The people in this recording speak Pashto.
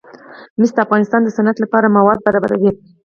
مس د افغانستان د صنعت لپاره مواد برابروي.